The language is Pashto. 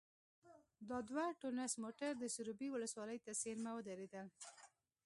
دا دوه ټونس موټر د سروبي ولسوالۍ ته څېرمه ودرېدل.